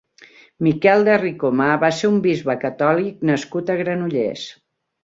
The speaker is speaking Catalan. Miquel de Ricomà va ser un bisbe catòlic nascut a Granollers.